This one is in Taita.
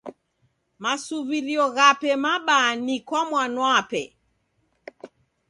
Masuw'irio ghape mabaa ni kwa mwanape.